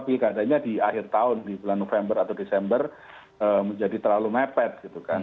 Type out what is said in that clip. pilkadanya di akhir tahun di bulan november atau desember menjadi terlalu mepet gitu kan